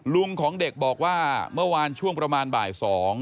ลุงของเด็กบอกว่าเมื่อวานช่วงประมาณบ่าย๒